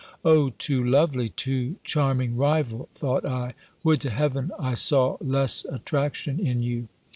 "O too lovely, too charming rival!" thought I "Would to heaven I saw less attraction in you!"